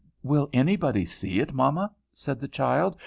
"Will anybody see it, mamma?" said the child.